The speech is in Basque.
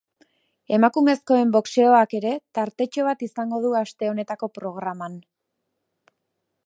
Emakumezkoen boxeoak ere tartetxo bat izango du aste honetako programan.